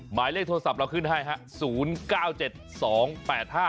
หมายเลขโทรศัพท์เราขึ้นให้ฮะ๐๙๗๒๘๕